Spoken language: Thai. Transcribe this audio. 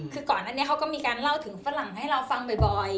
คือก่อนอันนี้เขาก็มีการเล่าถึงฝรั่งให้เราฟังบ่อย